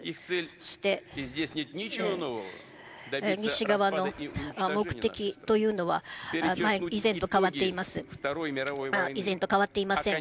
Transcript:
そして西側の目的というのは、以前と変わっていません。